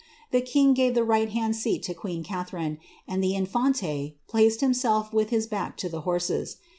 The king gave the right hand seat to queen Catharine, be infante placed himself with his back to the horses.